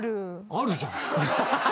あるじゃん。